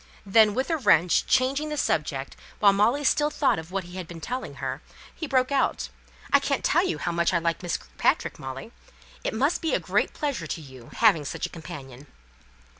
Then, with a wrench, changing the subject, while Molly still thought of what he had been telling her, he broke out, "I can't tell you how much I like Miss Kirkpatrick, Molly. It must be a great pleasure to you having such a companion!"